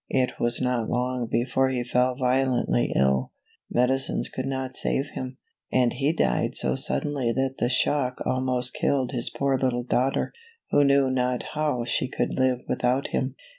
It was not long before he fell violently ill; medicines CDuld not save him ; and he died so suddenly that the shock almost killed his poor little daughter, who knew not how she could live without him.